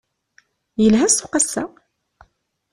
Yelha ssuq ass-a?